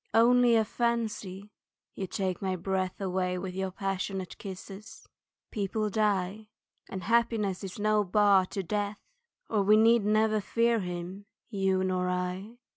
Only a fancy (you take my breath With your passionate kisses) people die, And happiness is no bar to death Or we never need fear him, you nor I.